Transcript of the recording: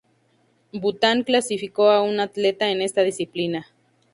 Bután clasificó a una atleta en esta disciplina.